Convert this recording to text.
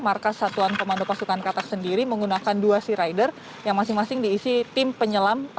markas satuan komando pasukan katak sendiri menggunakan dua sea rider yang masing masing diisi tim penyelam